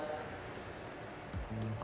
ini juga enak